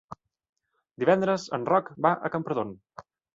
Divendres en Roc va a Camprodon.